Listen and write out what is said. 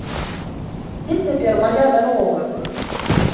Дзе цяпер мая дарога!